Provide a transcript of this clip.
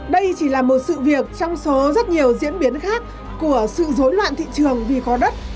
đây chỉ là một sự việc trong số rất nhiều diễn biến khác của sự dối loạn thị trường vì có đất